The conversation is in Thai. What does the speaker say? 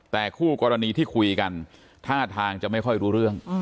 แต่คู่กรณีที่คุยกันท่าทางจะไม่ค่อยรู้เรื่อง